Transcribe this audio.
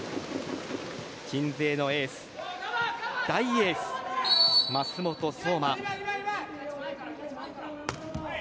鎮西のエース大エース・舛本颯真。